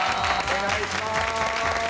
お願いします！